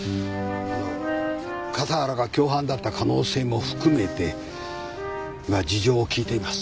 笠原が共犯だった可能性も含めて今事情を聴いています。